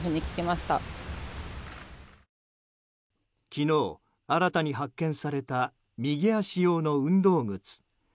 昨日、新たに発見された右足用の運動靴。